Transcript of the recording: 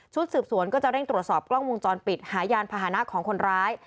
สืบสวนก็จะเร่งตรวจสอบกล้องวงจรปิดหายานพาหนะของคนร้าย